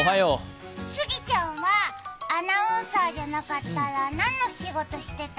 杉ちゃんはアナウンサーじゃなかったら何の仕事してた？